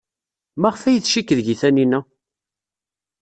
Maɣef ay tcikk deg-i Taninna?